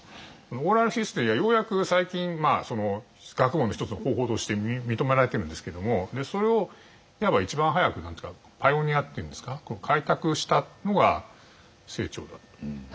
オーラルヒストリーはようやく最近学問の一つの方法として認められてるんですけどもそれをいわば一番早くパイオニアっていうんですか開拓したのが清張だと。